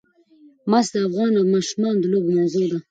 مس د افغان ماشومانو د لوبو موضوع ده.